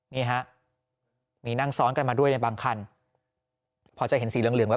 นี่ฮะมีนั่งซ้อนกันมาด้วยในบางคันพอจะเห็นสีเหลือง